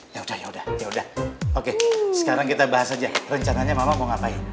ya udah ya udah yaudah oke sekarang kita bahas aja rencananya mama mau ngapain